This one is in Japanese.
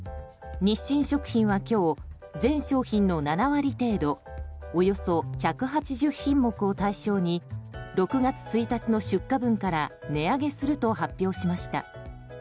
日清食品は今日全商品の７割程度およそ１８０品目を対象に６月１日の出荷分から値上げすると発表しました。